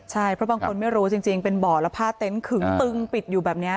ใช่เพราะบางคนไม่รู้จริงเป็นบ่อแล้วผ้าเต็นต์ขึงตึงปิดอยู่แบบนี้